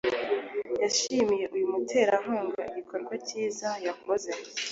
yashimiye uyu muterankunga igikorwa cyiza yakoze